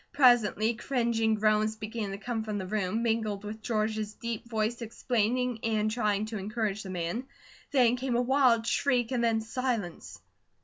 Presently cringing groans began to come from the room, mingling with George's deep voice explaining, and trying to encourage the man. Then came a wild shriek and then silence.